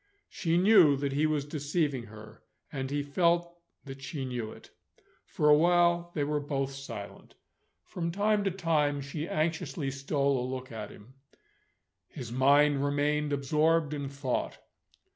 She knew that he was deceiving her; and he felt that she knew it. For awhile, they were both silent. From time to time, she anxiously stole a look at him. His mind remained absorbed in thought.